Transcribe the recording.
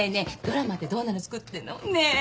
ドラマってどんなの作ってんの？ねえ！